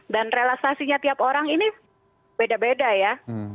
dan relaksasinya tiap orang ini beda beda ya